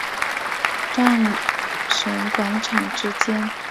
战神广场之间。